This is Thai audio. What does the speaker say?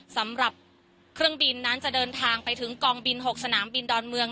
สำหรับเครื่องบินนั้นจะเดินทางไปถึงกองบิน๖สนามบินดอนเมือง